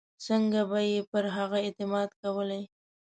څنګه به یې پر هغه اعتماد کولای.